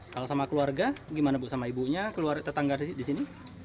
kalau sama keluarga gimana bu sama ibunya keluarga tetangga di sini